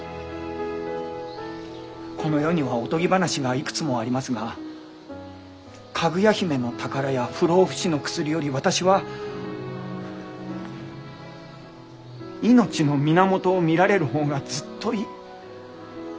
この世にはおとぎ話がいくつもありますが「かぐや姫」の宝や不老不死の薬より私は命の源を見られる方がずっといい。